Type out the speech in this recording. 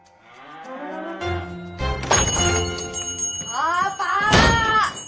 パパ！